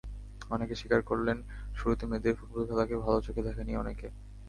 অনেকে স্বীকার করলেন, শুরুতে মেয়েদের ফুটবল খেলাকে ভালো চোখে দেখেনি অনেকে।